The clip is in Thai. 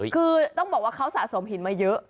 คือต้องบอกว่าเขาสะสมหินมาเยอะ